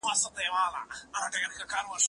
ليکلي پاڼي د زده کوونکي له خوا ترتيب کيږي.